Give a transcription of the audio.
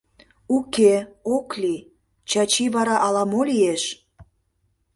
Уке, ок лий, Чачи вара ала-мо лиеш!»